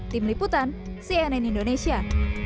tim liputan cnn indonesia